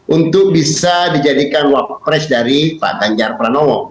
untuk bisa dijadikan wapres dari pak ganjar pranowo